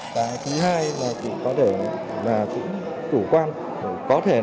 và thứ hai là có thể là chủ quan có thể là do những quy định của bảo hiểm